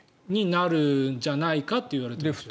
なるんじゃないかと言われていますね。